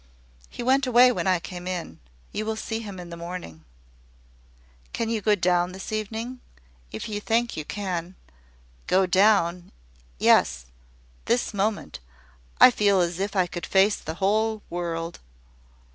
"He went away when I came in. You will see him in the morning." "Can you go down this evening? If you think you can ." "Go down! Yes: this moment. I feel as if I could face the whole world."